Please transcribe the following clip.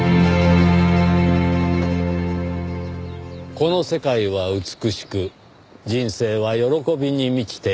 「この世界は美しく人生は喜びに満ちている」。